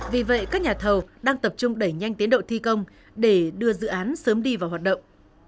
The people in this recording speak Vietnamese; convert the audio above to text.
vì vậy các nhà thầu đang tập trung đẩy nhanh tiến độ thi công để đưa dự án sớm đi vào hoạt động